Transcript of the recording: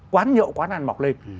quán nhậu quán ăn mọc lên